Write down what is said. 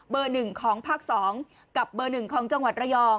เบอร์หนึ่งของภาค๒กับเบอร์หนึ่งของจังหวัดระยอง